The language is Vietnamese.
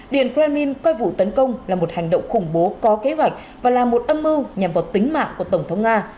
điện kremlin coi vụ tấn công là một hành động khủng bố có kế hoạch và là một âm mưu nhằm vào tính mạng của tổng thống nga